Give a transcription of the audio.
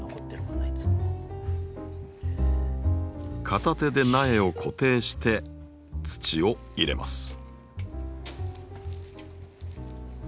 片手で苗を固定して土を入れます。